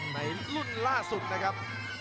ในรุ่นล่าสุดนะครับ